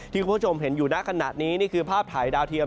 คุณผู้ชมเห็นอยู่ณขณะนี้นี่คือภาพถ่ายดาวเทียม